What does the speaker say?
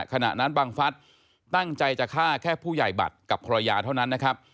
ขณะนั้นบังฟัฐตั้งใจจะฆ่าแค่ผู้ใหญ่บัตรกับภรรยาเท่านั้นนะครับ